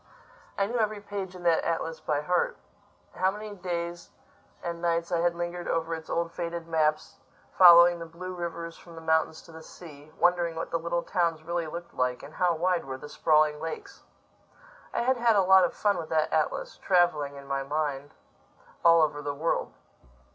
I knew every page in that atlas by heart. How many days and nights I had lingered over its old faded maps, following the blue rivers from the mountains to the sea; wondering what the little towns really looked like, and how wide were the sprawling lakes! I had had a lot of fun with that atlas, traveling, in my mind, all over the world.